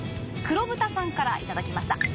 くろぶたさんからいただきました。